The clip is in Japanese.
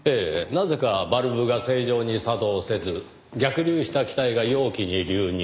なぜかバルブが正常に作動せず逆流した気体が容器に流入。